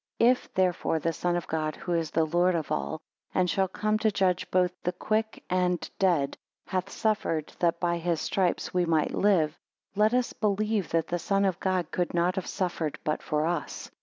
2 If therefore the Son of God who is the Lord of all, and shall come to judge both the quick and dead, hath suffered, that by his stripes we might live; let us believe that the Son of God could not have suffered but for us.